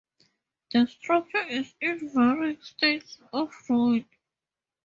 The structure is in varying states of ruin.